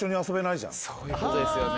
そういうことですよね。